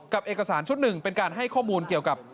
เอกสารชุดหนึ่งเป็นการให้ข้อมูลเกี่ยวกับ